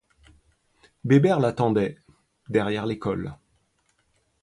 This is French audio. Bébert l'attendait, derrière l'école.